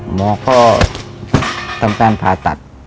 หมอพ่อต้องการผ่าตัด